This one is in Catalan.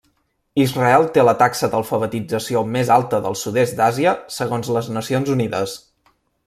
Israel té la taxa d'alfabetització més alta del sud-est d'Àsia segons les Nacions Unides.